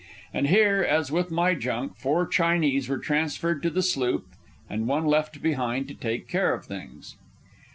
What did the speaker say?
And here, as with my junk, four Chinese were transferred to the sloop and one left behind to take care of things.